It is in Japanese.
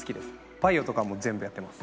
『バイオ』とかも全部やってます。